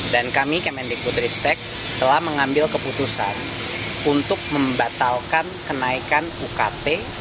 dan kami kemendikbut ristek telah mengambil keputusan untuk membatalkan kenaikan ukt